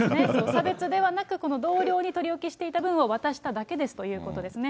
差別ではなく、この同僚に取り置きしていた分を渡しただけですということですね。